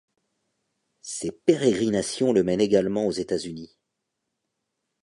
Ses pérégrinations le mènent également aux États-Unis.